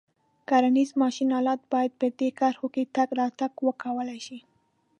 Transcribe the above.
کرنیز ماشین آلات باید په دې کرښو کې تګ راتګ وکولای شي.